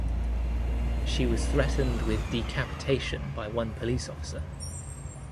She was threatened with decapitation by one police officer.